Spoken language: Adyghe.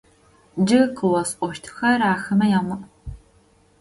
Джы къыосӀощтхэр ахэмэ ямыӀу!